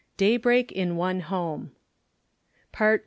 *Daybreak in One Home* *Part I.